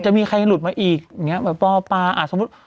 จะมีใครหลุดมาอีกอย่างนี้อย่างนี้